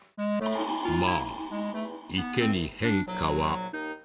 まあ池に変化はない。